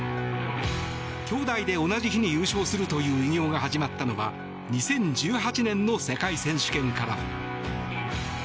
兄妹で同じ日に優勝するという偉業が始まったのは２０１８年の世界選手権から。